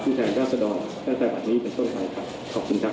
ผู้แทนกาศดอมตั้งแต่วันนี้เป็นช่วงใหม่ครับ